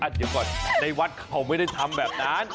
เดี๋ยวก่อนในวัดเขาไม่ได้ทำแบบนั้น